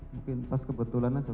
mungkin pas kebetulan aja